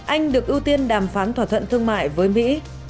anh được ưu tiên đàm phán thỏa thuận thương mại với mỹ